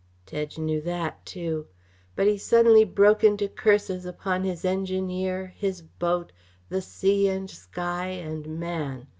Tedge knew that, too. But he suddenly broke into curses upon his engineer, his boat, the sea and sky and man.